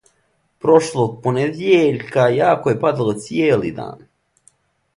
Прошлог понедјељка јако је падало цијели дан.